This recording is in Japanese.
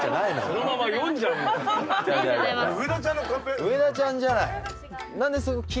ウエダちゃんじゃない。